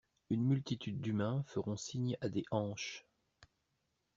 Une multitude d'humains feront signe à des hanches.